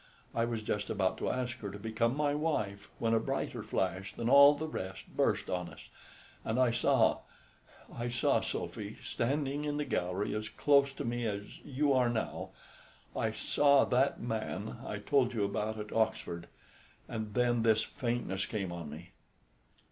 I was just about to ask her to become my wife when a brighter flash than all the rest burst on us, and I saw I saw, Sophy, standing in the gallery as close to me as you are now I saw that man I told you about at Oxford; and then this faintness came on me."